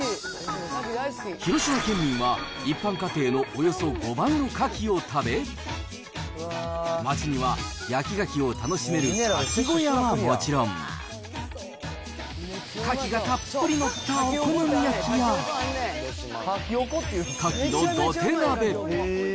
広島県民は一般家庭のおよそ５倍のカキを食べ、街には焼きガキを楽しめるカキ小屋はもちろん、カキがたっぷり載ったお好み焼きや、カキの土手鍋。